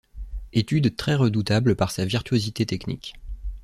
Étude très redoutable par sa virtuosité technique.